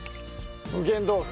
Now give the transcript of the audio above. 無限豆腐。